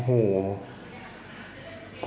อู้โห